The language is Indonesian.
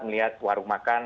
melihat warung makan